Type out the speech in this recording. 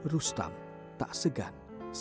rustam tak segan sigap